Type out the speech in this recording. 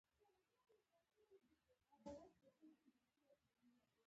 علي د ډېرو مظلومو کسانو په وینو لاسونه سره کړي.